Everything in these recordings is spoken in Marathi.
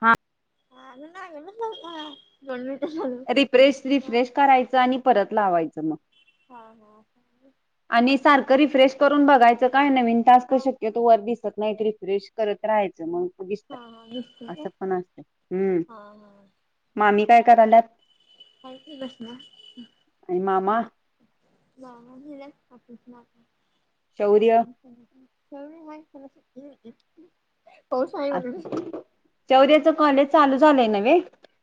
हा [unintelligible] हा रिफ्रेश-रिफ्रेश करायचं आणि परत लावायचं मग. हा-हा आणि सारखं रिफ्रेश करून बघायचं काय नवीन टास्क शक्यतो वर दिसत नाही ते रिफ्रेश करत राहायचं मग दिसतन हा असं पण असतंय हम्म. हा हा मामी काय करायल्यात? हाय की बसलीया आणि मामा शौर्य [unintelligible] [unintelligible] [unintelligible] चौद्याच कॉलेज चालू झालंय न वे?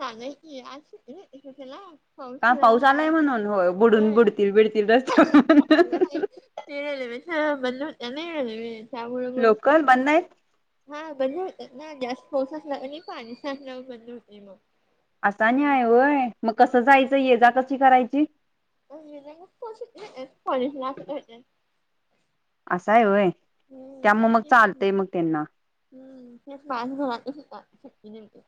झालं की आज सुट्टी राहते, त्याला का पाऊस आलाय म्हणून होय बुडून बुडतील बिडतील रस्त्यावर [unintelligible] [unintelligible] बंद होतं ना या वेळेस त्यामुळे मग लोकल बंद आहेत हा. बंद होते ना जास्त पाऊस असला का नाही पाणीसाठन बंद होते मग. असा आणि मग आहे होय मग कसं ते जायचं? ये जा कशी करायची? [unintelligible] कॉलेज ला असाय होय, त्यामुळ मग चालतय मग त्यांना. हम्म [unintelligible] [unintelligible]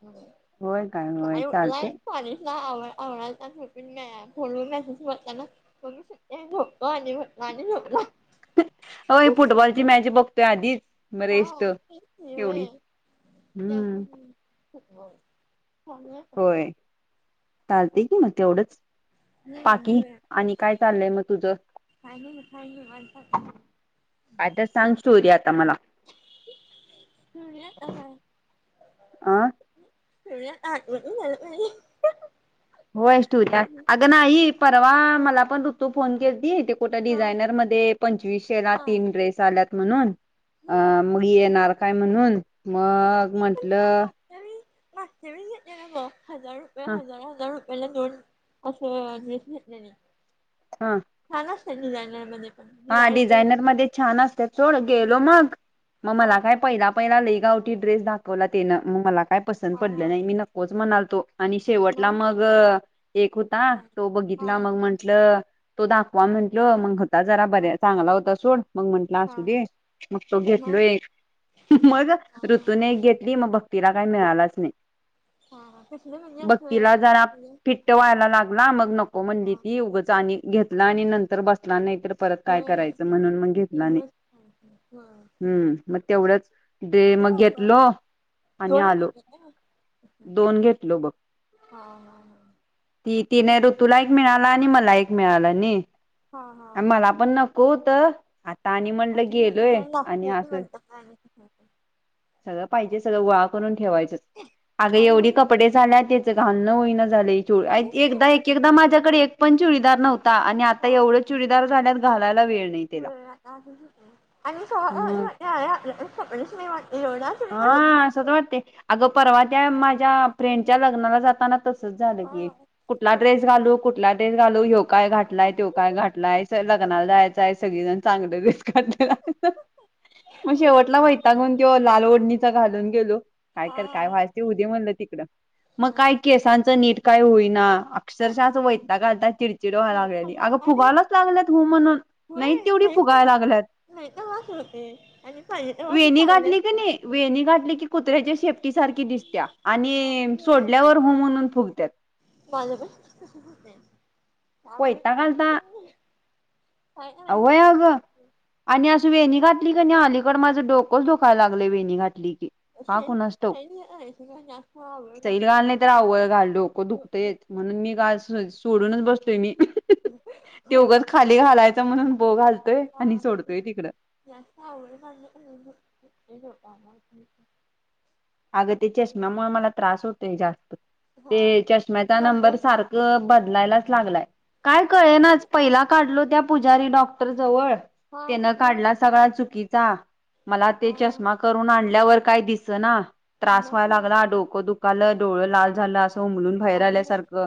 होय काय होय चालते पाणी लय लय आवड्याचा फोन वर मेसेज वाचला ना बोलू शकतेस तू पाणी [unintelligible] हो फुटबॉलची मॅच बघतोय आधीच [unintelligible] एवढी हम्म [unintelligible] होय [inaudible] चालते की मग तेवढंच पाकी आणि काय चाललय मग तुझं? [unintelligible] काय तर सांग स्टोरी आता. मला [unintelligible] अ [unintelligible] [inaudible] होय स्टोरी अगं नाही परवा मला पण ऋतू फोन केलती ते कुठ्या डिझायनर मध्ये पंचवीसशेला तीन ड्रेस आल्यात म्हणून, अं मग येणार काय म्हणून मग ती पण स्टॅम्प म्हंटलं. मागच्या वेळी मागच्या वेळेस घेतलय ना ग हजार रुपये ह हजार रुपये मला दोन अस ड्रेस घेतले नही हा छान असत डिझायनर मध्ये पण हा दिवाळीत डिझायनर मध्ये छान असत थोड गेलो मग म हा मला काय पहिला पहिला ले गावठी ड्रेस दाखवला तेनं मग मला काय पसंत हा हा पडलं नाही मी नकोच म्हणालतो. आणि शेवटला मग एक होता हा तो हा बघितला मग म्हंटल. तो दाखवा म्हंटल मग होता. जरा हा बर्या चांगला होता सोड मग म्हंटलं हा असू दे मग तो घेत मग लोय मग हा ऋतूनून हा एक घेतली मग भक्तीला काही मिळालाच नाही. हा कसलं म्हणजे बघतीला असं जरा म्हणजे फिट्ट व्हायला लागला मग नको म्हणली हा ती उगच आणि घेतला आणि नंतर बसला नाहीतर. परत काय होय करायचं म्हणून मग घेतला नाही. मग घेतलो. आणि दोन आलो दोन घेतलो बघ. हा हा ती तिन ऋतूला एक मिळाला आणि मला एक मिळाला नी. हा हा आ मला पण नको होत. आणि म्हणलं गेलोय असं आणि लागते की आलोय म्हणतात आणि काही सगळं पाहिजे सगळं वा ठेवायच अग एवढी होईल कपडे झाल्या त्याचं घाण होईन झालं आणि [unintelligible] एकदा एकेक दा माझ्याकडे एक पण चुडीदार नव्हता आणि आता एवढं चुडी [unintelligible] घाल [unintelligible] मग [unintelligible] हा साधा वाटते. अगं परवा त्या माझ्या फ्रेंडच्या लग्नाला जाताना तसच झालं की. कुठला ड्रेस घालू कुठला ड्रेस घालू होय घातलाय तो काय घालाय. लग्नाला जायचं आहे सगळीजण चांगलं ड्रेस काढले [unintelligible] [inaudible] मग शेवटला वैतागून तो लाल ओढणीचा घालून गेलो काय कर काय व्हाचय ते होऊदे म्हणलं तिकडं मग काय केसांचं नीट काय होईल ना अक्षरशः आज वयताग आलता चिडचिड व्हायला लागलेली अंग आणि फुगालच लागल्यात हू म्हणून होय नाही तेवढी फुगायला समज लागल्यात नाही तर वास होते आणि पाहिजे तर वास वेणी चांगले गाठली की असतात. नाही वेणी गाठली की कुत्र्याच्या शेप पटी सारखी दिसत्यात आणि सोडल्यावर हु म्हणून फुगत्या माझ्या पण का होय अग आणि अस वेणी घातल ल कनी अलीकड माझं डोकच दुकायला लागलय वेणी घातली की का कोणासठाऊक जास्त सैल घाल नाही आवड तर आवळ घाल डोकं दुखतयच म्हणून मी का सोडूनच बसलोय मी ते उघच खाली घालायच हा तिकड जास्त आवळ घालु नको नाही तर दुखतय बघ ह [unintelligible] अग ते चेष्मा मुळ मला त्रास होतोय जास्त हा ते चष्म्याचा मग नंबर सारखं बदलायलाच लागलाय काय कळे हा नाच पहिला काढलो त्या पुजारी डॉक्टर जवळ हा तेन काढला सगळा चुकीचा मला ते चष्मा करून आणल्यावर काही दिस ना त्रास मग व्हायला हो लागला डोकं दुखालं डोळ लाल झालं बोबलुन बाहेर आम्हाला आल्यासारखं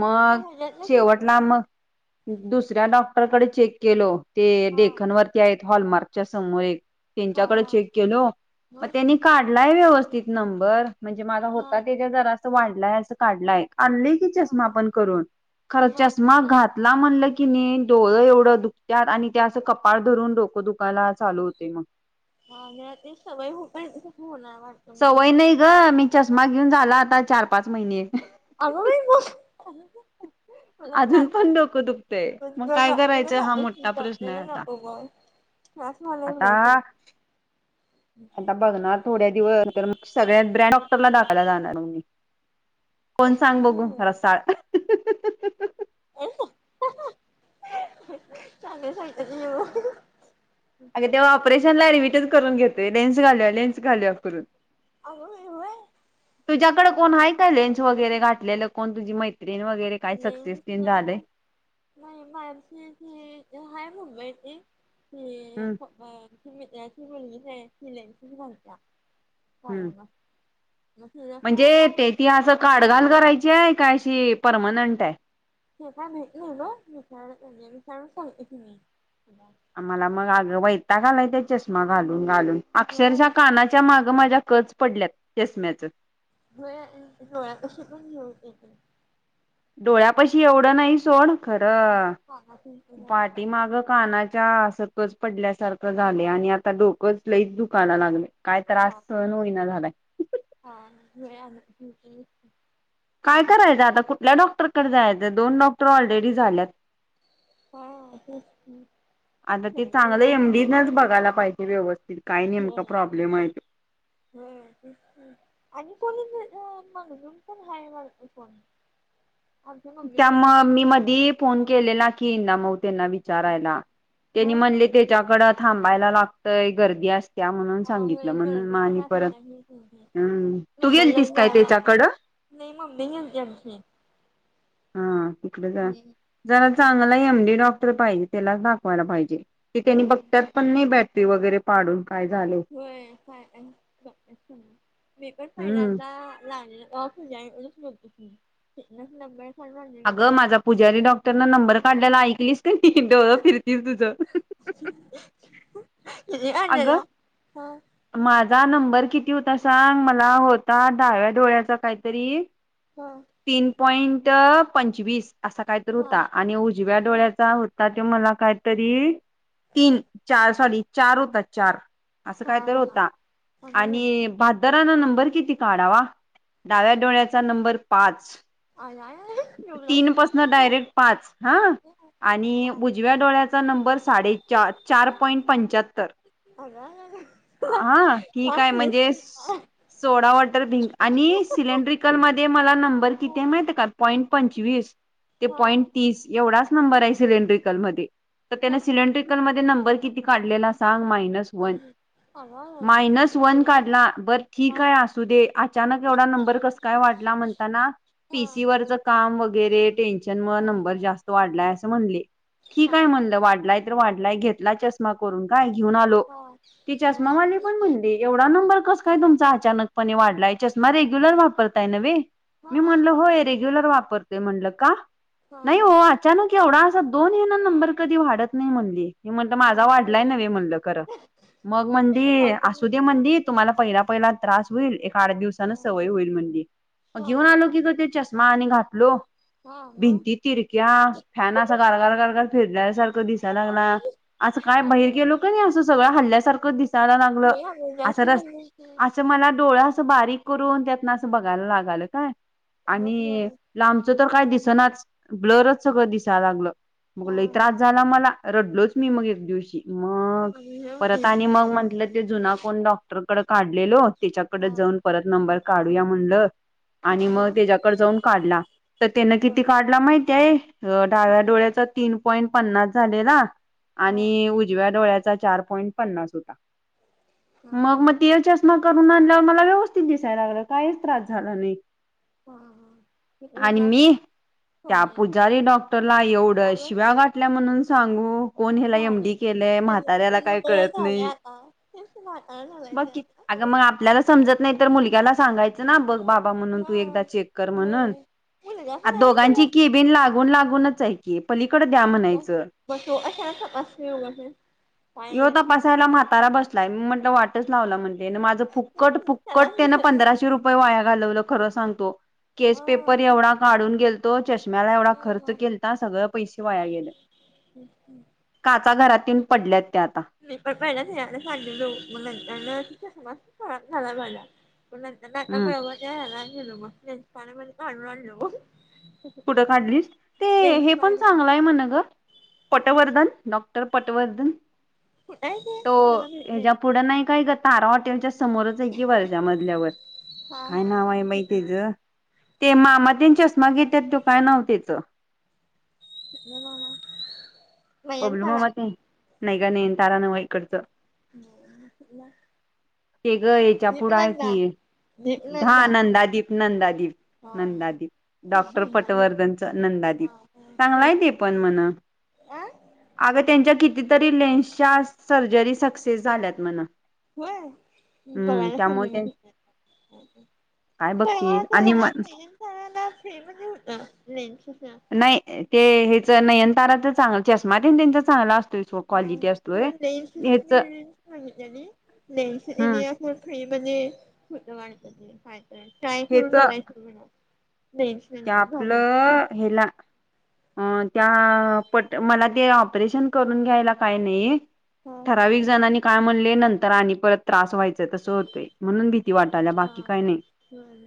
मग शेवटला मग दुसऱ्या डॉक्टरकडे चेक केलो ते लेखन वरती आहेत हॉलमार्कच्या समोर एक हा त्यांच्याकडे हा चेक केलो मग त्यांनी काढलाय व्यवस्थित नंबर म्हणजे माझा हा होता हा तेच्या जरा असं वाढलाय असं काढलाय आणलेय की चष्मा हा पण करून खर मला चष्मा घातला म्हणल की नाही डोळं एवढं दुखत्याात आणि त्या असं कपाळ धरून डोकं दुखायला चालू होते मग हा म ते सवय हो त होणार वाटतं मग सवय तुला नाही ग मी चष्मा घेऊन झाला आता चार पाच महिने अग बाई बस अजून पण डोकं दुखतय मग काय लाो करायचं हा मोठा प्रश्न आहे आता [unintelligible] आता आता बघणार थोड्या दिवस सगळ्या ब्रँड डॉक्टरला दाखवायला जाणार मी ह [unintelligible] कोण सांग बघू रसाळ चांगले सागत्यात किवो अगे तेव्हा ऑपरेशनला ऍडमिटच करून घेतोय लेन्स घालुया लेन्स घालुया करून अग बाई होय तुझ्याकडे कोण हाय काय लेन्स वगैरे घातलेलं कोण तुझी मैत्रीण व न म मामसी ह मुंबईत [unintelligible] हम्म तेमिमिलेत्या [unintelligible] हम्म कायना म्हणजे ते ती असं काड घाल करायची आहे काय अशी परमनंट आहे ते काय माहित नाही वो विचारायला पाहिजे विचारून सागते कि मी तुला मला मग आग वैताग आलाय त्या चष्मा घालून घालून होय अक्षरशः अगं कानाच्या माग माझ्या कच पडल्यात चष्मा्याच होय डोळ्यापशी पण हे होतय ते डोळ्या पशी एवढं नाही सोड हा खरं कानात घालते पाठी माग कानाची कच पडल्यासारखं झालय आणि आता डोकंच लईच दुकायला लागलय काय त्रास हा सहन होईना झालाय हा वेळ [unintelligible] काय करायचं आता कुठल्या डॉक्टरकडे जायचं दोन डॉक्टर ऑलरेडी झाल्यात काय तेच की आता ते चांगलं एमडी नच बघायला पाहिजे व्यवस्थित काय नेमका हम् प्रॉब्लेम आहे तो. हम् आणि कोणी अ मगजून पण हा म फोन [unintelligible] त्या म मी मध फोन केलेला की ना मऊ त्यांना विचारायला त्यांनी मग म्हणले त्याच्याकडं थांबायला लागतंय गर्दी अस त्या म्हणून सांगितलं होय म्हणून गर्दी मा तर आणि परत असत्या ही तुमच्या अम तू नंबर गेल तस लावून काय जायला त्याच्याकडं? नाही ममी गेलती आमची. हा तिकडेच जरा चांगला एमडी डॉक्टर पाहिजे त्याला दाखवायला पाहिजे. ती त्यांनी बघतात पण नाही बॅटरी वगैरे पाडून काय झाले होय काय? मेपर पहिला हम्म ला जा सत नबर [unintelligible] अगं माझा पुजारी डॉक्टर न नंबर काढल्याला ऐकलीस कि डोळ फिरतील तुझ. इ काला हा [unintelligible] माझा नंबर किती होता सांग मला होता दहाव्या डोळ्याचा काहीतरी हा पॉईंट पंचवीस असा काय तर हा होता आणि उजव्या डोळ्याचा हो ता ते मला कायतरी तीन चार सॉरी चार होता चार असं हा काय तर हा होता हा आणि बहाद्दरान नंबर किती काढावा? डाव्या डोळ्याचा नंबर पाच हो [unintelligible] तीन पासन डायरेक्ट पाच हा आणि उजव्या डोळ्याचा नंबर साडेचार चार पॉइंट पंच्याहत्तर आ हा ठीक आहे म्हणजे [unintelligible] सोडा वॉटर बिंक आणि सिलेंड्रिकल मध्ये मला नंबर मा पंंट त एव [unintelligible] नंबर आहे माझा सिलेंडर मध्ये तर त्याने माझा नंबर कितवा काढेल असेल माहित नाही.. नस वन मायनस वन काढला बरं ठीक आहे असू दे अचानक एवढा नंबर कस काय वाढला? म्हणताना पीसी वरच काम वगैरे टेन्शन मुळे नंबर जास्त वाढलाय असं म्हणले. ठीकय म्हणलं वाढलाय तर वाढलाय घेतला चष्मा करून काय घेऊन आलो ती चष्मा वाली पण म्हणली एव्हढा नंबर कस काय तुमचा अचानकपणे वाढलाय चष्मा रेग्युलर वापरताय नव्हे मी म्हणलं होतं. रेग्युलर वापरतोय म्हणलं का? नाही ओ अचानक एव्हढा दोन हे नंबर कधी वाढत नाही म्हणली मी म्हणलं माझा वाढलाय नव्हे म्हणलं खरं मग म्हणली असू दे म्हणली तुम्हाला पहिला पहिला त्रास होईल एक आठ दिवसान सवय होईल म्हणली मग घेऊन आलो की ग ते चष्मा आणि घातलो. भिंती तिरक्या फॅन असा गारगार गारघार फिरल्या सारखं दिसायला लागला. असं काय बहीर गेलो का नाही असं सगळं हल्ल्यासारखं दिसायला लागलं असं रस् असं म मला डोळा अस बारीक करून त्यातन असं बघायला लागाल काय आणि लांबचं तर काय दिसनाच ब्लरच सगळं दिसायला लागलं मग लई त्रास झाला मला रडलोच मी मग एक दिवशी मग परत आणि मग म्हंटलं ते जुना कोण डॉक्टरकडे काढलेलो- त्याच्याकडे जाऊन परत नंबर काढूया म्हणल आणि मग त्याच्या जाऊन काढला तर त्यान किती काढला माहितीय डाव्या डोळ्याचा तीन पॉईंट पन्नास झालेला आणि उजव्या डोळ्याचा चार पॉईंट पन्नास होता मग मग तेच्या चष्मा करून आणल्यावर मला व्यवस्थित दिसायला लागलं काहीच त्रास झाला नाही. ह आणि जा मी [unintelligible] त्या पुजारी डॉक्टरला एवढ्या अगं शिव्या नाही गाठल्या म्हणून सांगू कोण ह्याला झालंय. एमडी केलंय त्याच म्हाताऱ्याला काही त्याच वय कळत झालंय नाही. आता तेच म्हातार झालंय ते आता. मग आपल्याला समजत नाही तर मुल्याला सगायचं बघ बा म्हणून हा तू एकदा चेक कर म्हण होय मुलगा पण आहे व्हय दोघांची क ला. लागून लागूनच आहे की पाली बसो अशा असगस काय य नाही.. म्हट वाटच लावला म्हट माझं तेच फुक्कट की फुक्कट त्यालाच ते विसरलाच नाही. पंधराशे रुपये वाया घालवलं खरं सांगतो.. केस हा पेपर तेच एवढा की काढून गेलतो चष्म्याला एवढा खर्च केलता सगळं पैसे वाया गेले. हम् हम्... काचा घरातून पडल्यात त्या आता. नाही पण पहिलाच याला सांगले लोक म्हणज [unintelligible] खराब झाला माझा पण नंतर नाका हम्म बरोबरला गेल मग.. [unintelligible] पण ममध्ये काढवालो [unintelligible] कुठ काढली ते हे पण, लेन्सकार्ट चांगलंय म ग पटवर्धन डॉक्टर. पटवर्धन नाही तो ते मला माहित हेच्या नाही पुढं नाही काय ग तारा हॉटेच्या स समोरच हाय की वरच्या मजल्यावर. हा काय हा नाव हा हाय बाई ठीक तेजं ते मामा तेन चेष्मा घे तो काय तेच? कुठलं मामा? बबलू मामा ते नाही का नयनतारानंव ईकडचं. [unintelligible] कुठला? ते ग हेच्या पुढ हाय की धा दीपनंदा नंदादीप, नंदादीप. हा हा नंदादीप डॉक्टर हा पटवर्धनच. नंदादीप चांगलाय ते पण म्हण. अं. अगं त्यांच्या कितीतरी लेन्सच्या सर्जरी सक्सेस झाल्यात म्हण. होय. हम्म बघायला पाहिजे त्यामुळे ते मग. काय बघतीस तेव्हाला आणि म [unintelligible] लेंस घालायला फ्रीमध्ये होत लेंसचं. ते हेच नयन ताराच चांग चष्मा तेन त्यांचा चांगला असतोय. सो हा क्वालिटी हा प असतोय. लेन्स हेच मीली सांगितलेली. लेन्स हम्म दि आप ख [unintelligible] म्हणजे खोट वाटत तेय काय हेच करून बघयचं म्हणा. लेन्स ते घालून आपलं हेला अ त्या पट मला ते ऑपरेशन करून घ्यायला काय नाही. हा ठराविक हा जणांनी काय म्हणले, नंतर आणि परत त्रास व्हायचा तसं होतय म्हणून भि ती वाटाल्या हा बाकी काय नाही खाणं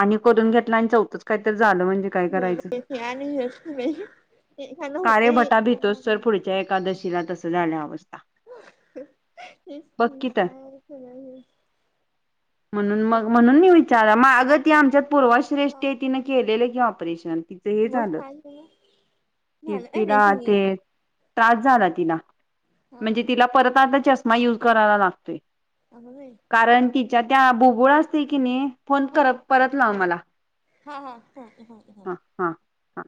आणि करून घेतल आणि चौथंच काय तर झा - - होय की बाई ते आणि हेच की बाई. काळेभटा भितोच सर पुढच्या एकादशीला तस झाल्यावस्थ- - तेचकी की तर काय सगळं हेच. म्हणून मग म्हणून मी विचारा मागं त आमच्यात पूर्वश्रेष्ठी - - केलेलं की ऑपरेशन. तिचं हे मग झालं काय क तिला ते नाही त्रास झाला तिला. हा म्हणजे तिला परत आता चष्मा युज करायला लागतो. कारण तिच्या त्या बुबुळ असते कीनी? फोन कर परत लाव मला. हा हा हा हा ह हा ह.